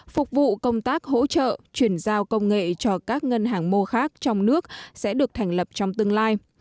phục vụ công tác hỗ trợ chuyển giao công nghệ cho các ngân hàng mô khác trong nước sẽ được thành lập trong tương lai